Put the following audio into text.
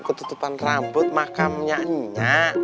ketutupan rambut makamnya nya